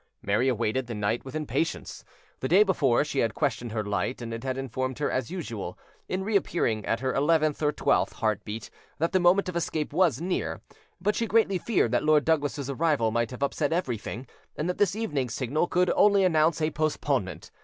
Mary awaited the night with impatience. The day before, she had questioned her light, and it had informed her as usual, in reappearing at her eleventh or twelfth heart beat, that the moment of escape was near; but she greatly feared that Lord Douglas's arrival might have upset everything, and that this evening's signal could only announce a postponement.